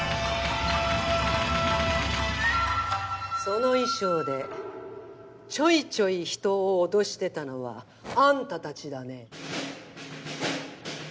その衣装でちょいちょい人を脅してたのはあんたたちだね。